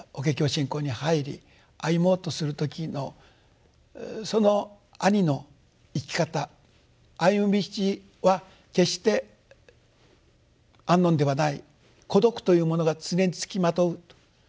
信仰に入り歩もうとする時のその兄の生き方歩む道は決して安穏ではない孤独というものが常に付きまとうと。